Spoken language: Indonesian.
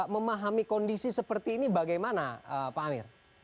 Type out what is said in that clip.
memahami kondisi seperti ini bagaimana pak amir